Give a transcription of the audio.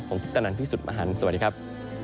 ผมพิษตนันพี่สุดมหันสวัสดีครับ